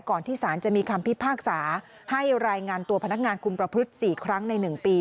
ที่สารจะมีคำพิพากษาให้รายงานตัวพนักงานคุมประพฤติ๔ครั้งใน๑ปี